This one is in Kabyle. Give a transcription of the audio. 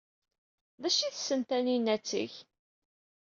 D acu ay tessen Taninna ad teg?